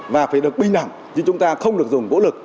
và phải được binh nẳng chứ chúng ta không được dùng vũ lực